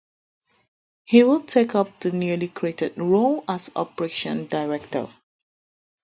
He will take up the newly created role as Operations Director.